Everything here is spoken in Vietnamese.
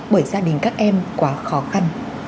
bởi gia đình các em quá khó khăn